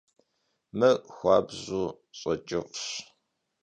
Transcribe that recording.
Mır xuabju ş'eç'ıf'ş.